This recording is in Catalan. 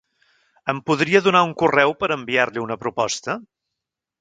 Em podria donar un correu per enviar-li una proposta?